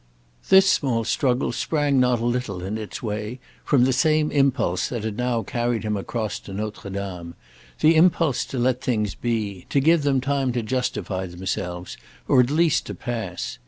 This small struggle sprang not a little, in its way, from the same impulse that had now carried him across to Notre Dame; the impulse to let things be, to give them time to justify themselves or at least to pass.